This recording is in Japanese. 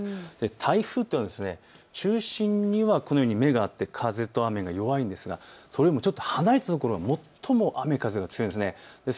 台風というのは中心にはこのように目があって風と雨は弱いですがそれよりもちょっと離れたところが最も雨風が強いです。